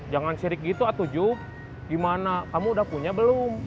jangan sirik gitu atujuh gimana kamu udah punya belum